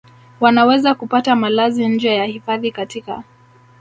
wanaweza kupata malazi nje ya hifadhi katika